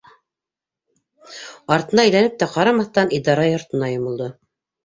Артына әйләнеп тә ҡарамаҫтан идара йортона йомолдо.